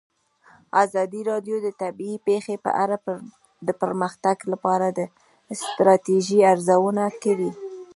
ازادي راډیو د طبیعي پېښې په اړه د پرمختګ لپاره د ستراتیژۍ ارزونه کړې.